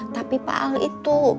tapi pak al itu